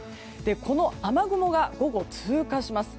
この雨雲が午後、通過します。